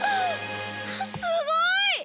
すごい！